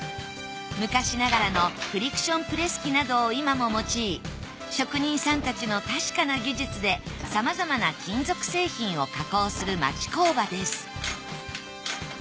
昔ながらのフリクションプレス機などを今も用い職人さんたちの確かな技術でさまざまな金属製品を加工する町工場です